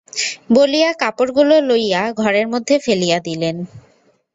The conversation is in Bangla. বলিয়া কাপড়গুলা লইয়া ঘরের মধ্যে ফেলিয়া দিলেন।